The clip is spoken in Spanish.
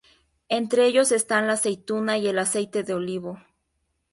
Entre ellos están la aceituna y el aceite de olivo.